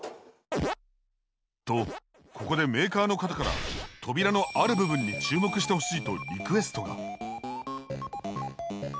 とここでメーカーの方から扉のある部分に注目してほしいとリクエストが。